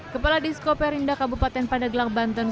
kepala diskoper indah kabupaten pandeglang banten